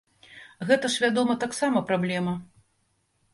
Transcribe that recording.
Гэта, вядома ж, таксама праблема.